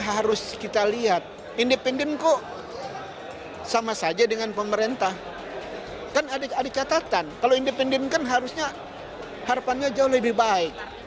harus kita lihat independen kok sama saja dengan pemerintah kan ada catatan kalau independen kan harusnya harapannya jauh lebih baik